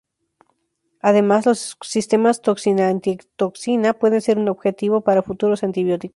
Además los sistemas toxina-antitoxina puedes ser un objetivo para futuros antibióticos.